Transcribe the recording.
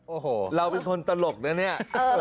โอ้โหเราเป็นคนตลกนะเนี่ย